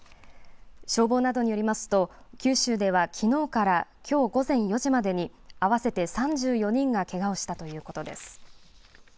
消防などによりますと、九州ではきのうから、きょう午前４時までに合わせて３４人がけがをしたということです。